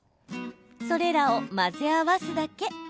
それらを混ぜ合わすだけ。